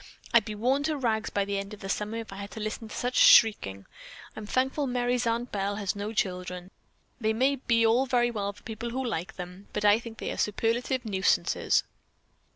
"I'd be worn to rags by the end of the summer if I had to listen to such shrieking. I'm thankful Merry's Aunt Belle has no children. They may be all very well for people who like them, but I think they are superlative nuisances."